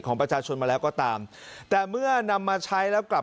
ของประชาชนมาแล้วก็ตามแต่เมื่อนำมาใช้แล้วกลับ